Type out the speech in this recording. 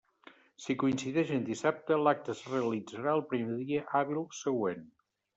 Si coincideix en dissabte, l'acte es realitzarà el primer dia hàbil següent.